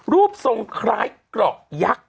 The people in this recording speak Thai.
รูปทรงคล้ายเกราะยักษ์